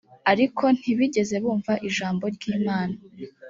ariko ntibigeze bumva ijambo ry imana